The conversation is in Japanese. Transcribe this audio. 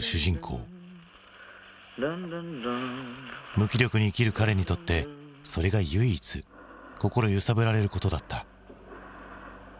無気力に生きる彼にとってそれが唯一心揺さぶられることだった。